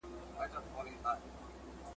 چي اولسونو لره زوال دی ..